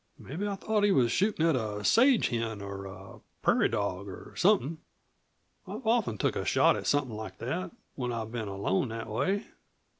"Mebbe I thought he was shootin' at a sage hen, or a prairie dog or somethin'. I've often took a shot at somethin' like that when I've been alone that way."